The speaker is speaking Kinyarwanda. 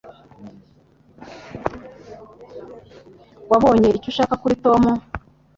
Wabonye icyo ushaka kuri Tom?